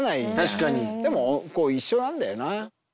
でも一緒なんだよな。